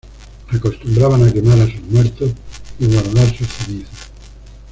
Acostumbraban a quemar a sus muertos y guardar sus cenizas.